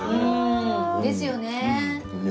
ですよねえ。